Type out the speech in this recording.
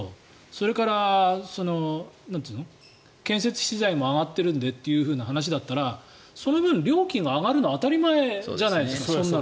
それから、建設資材も上がってるんでという話だったらその分、料金が上がるのは当たり前じゃないですか。